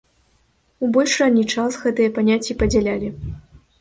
У больш ранні час гэтыя паняцці падзялялі.